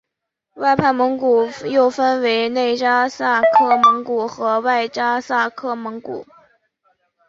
外藩蒙古又分为内札萨克蒙古和外札萨克蒙古。